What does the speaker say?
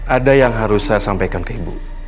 ada yang harus saya sampaikan ke ibu